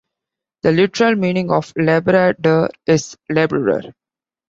The literal meaning of Labrador is Laborer.